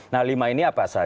nah lima ini apa saja